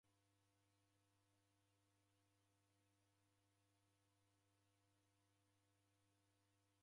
Vitoi w'avisa mapemba mbangenyi